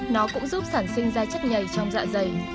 nó cũng giúp sản sinh ra chất nhầy trong dạ dày